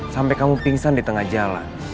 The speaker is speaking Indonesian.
sampai kamu pingsan di tengah jalan